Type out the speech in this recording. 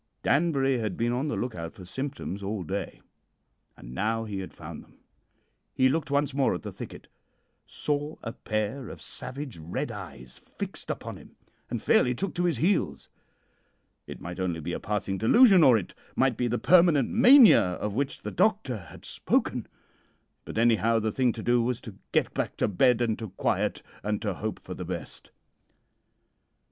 "Danbury had been on the look out for symptoms all day, and now he had found them. He looked once more at the thicket, saw a pair of savage red eyes fixed upon him, and fairly took to his heels. It might only be a passing delusion, or it might be the permanent mania of which the doctor had spoken, but anyhow, the thing to do was to get back to bed and to quiet, and to hope for the best.